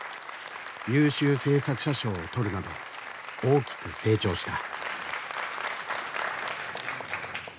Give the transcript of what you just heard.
優秀制作者賞を取るなど大きく成長した。